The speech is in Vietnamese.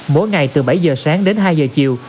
mỗi ngày từ bảy giờ sáng đến hai giờ chiều